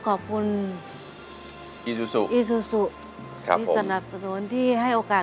ขอบคุณครับสาธุครับพระอาทิตย์ขอบคุณครับ